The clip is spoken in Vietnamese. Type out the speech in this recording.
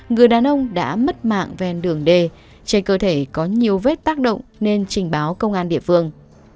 người đàn ông đã mất mạng ven đường d trên cơ thể có nhiều vết tác động nên trình báo công an địa phương